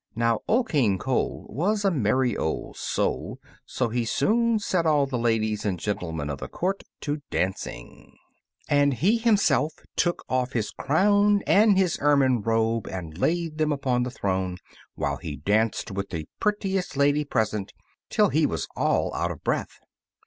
Now, Old King Cole was a merry old soul, so he soon set all the ladies and gentlemen of the court to dancing, and he himself took off his crown and his ermine robe and laid them upon the throne, while he danced with the prettiest lady present till he was all out of breath.